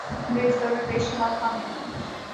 انگریز دور میں بے شمار خامیاں تھیں